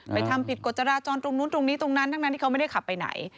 ทำผิดกฎจราจรตรงนู้นตรงนี้ตรงนั้นทั้งนั้นที่เขาไม่ได้ขับไปไหน